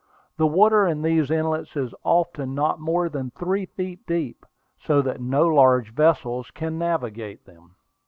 The water in these inlets is often not more than three feet deep, so that no large vessels can navigate them.